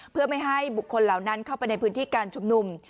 เพื่อไม่ให้บุคคลเหล่านั้นเข้าไปในพื้นที่การชุมนุม